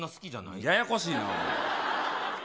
ややこしいな。